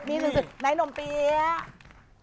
ไหนนมเปี๊ยะ